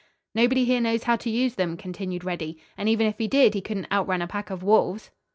"Nobody here knows how to use them," continued Reddy, "and even if he did, he couldn't out run a pack of wolves."